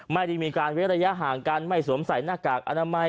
ไม่ได้มีการเว้นระยะห่างกันไม่สวมใส่หน้ากากอนามัย